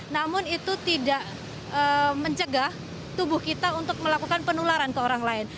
namun itu tidak mencegah tubuh kita untuk melakukan penularan ke orang lain